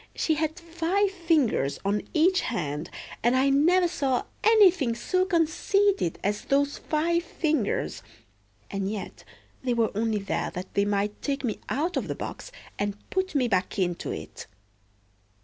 She had five fingers on each hand, and I never saw anything so conceited as those five fingers. And yet they were only there that they might take me out of the box and put me back into it."